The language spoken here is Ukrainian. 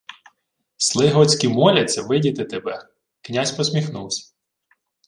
— Сли готські моляться видіти тебе. Князь посміхнувсь: